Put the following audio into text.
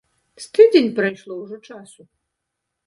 З тыдзень прайшло ўжо часу?